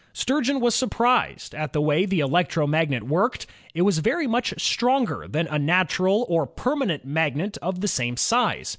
Sturgeon was surprised at the way the electromagnet worked. It was very much stronger than a natural or permanent magnet of the same size.